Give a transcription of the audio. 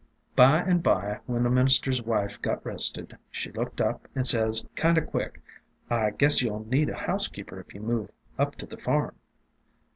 "By and by, when the minister's wife got rested, she looked up, and says, kind o' quick, 'I guess you '11 need a housekeeper if you move up to the farm.'